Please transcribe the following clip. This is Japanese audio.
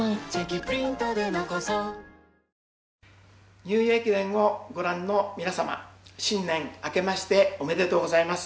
ニューイヤー駅伝をご覧の皆様、新年明けましておめでとうございます。